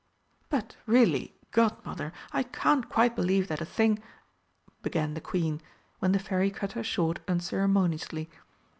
"But really, Godmother, I can't quite believe that a thing " began the Queen, when the Fairy cut her short unceremoniously.